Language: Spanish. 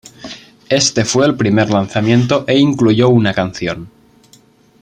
Este fue el primer lanzamiento e incluyó una canción.